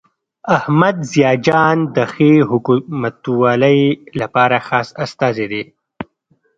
احمد ضیاء جان د ښې حکومتولۍ لپاره خاص استازی دی.